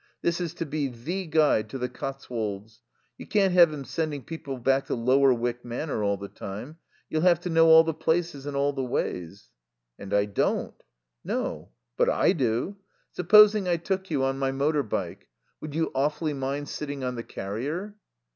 This is to be the Guide to the Cotswolds. You can't have him sending people back to Lower Wyck Manor all the time. You'll have to know all the places and all the ways." "And I don't." "No. But I do. Supposing I took you on my motor bike? Would you awfully mind sitting on the carrier?"